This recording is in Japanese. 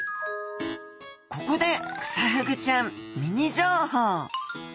ここでクサフグちゃんミニ情報！